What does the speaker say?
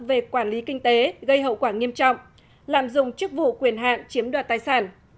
về quản lý kinh tế gây hậu quả nghiêm trọng lạm dụng chức vụ quyền hạn chiếm đoạt tài sản